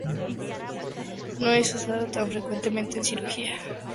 No es usada tan frecuentemente en cirugía.